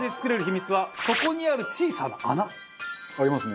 ありますね。